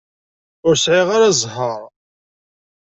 Ur sɛiɣ ara zzheṛ.